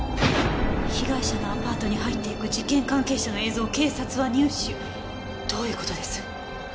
「被害者のアパートに入って行く事件関係者の映像を警察は入手」どういう事です？